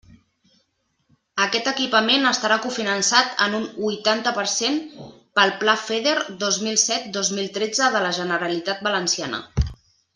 Aquest equipament estarà cofinançat en un huitanta per cent pel Pla FEDER dos mil set dos mil tretze de la Generalitat Valenciana.